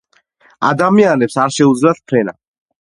არ შეუძლიათ ფრენა.